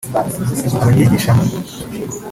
abaryigishamo